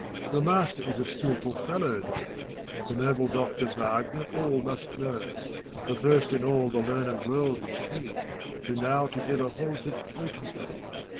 Your master is a skilful fellow, though : The noble Doctor Wagner all must know. The first in all the learned world is he, Who now together holds it potently.